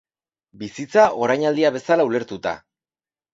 Bizitza, orainaldia bezala ulertuta.